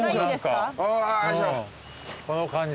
この感じ。